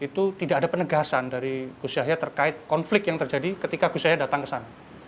itu tidak ada penegasan dari gus yahya terkait konflik yang terjadi ketika gus yahya datang ke sana